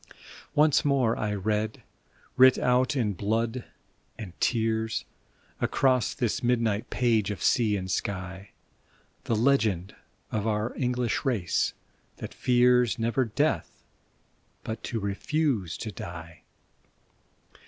Once more I read, writ out in blood and tears, Across this midnight page of sea and sky, The legend of our English race that fears, never death, but to refuse to die